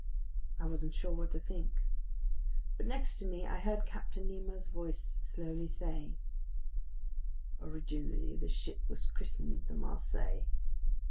I wasn't sure what to think, but next to me I heard Captain Nemo's voice slowly say: "Originally this ship was christened the Marseillais.